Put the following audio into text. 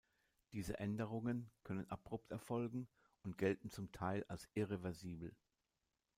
Diese Änderungen können abrupt erfolgen und gelten zum Teil als irreversibel.